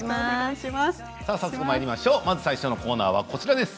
最初のコーナーはこちらです。